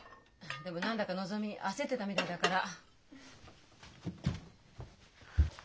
でも何だかのぞみ焦ってたみたいだから。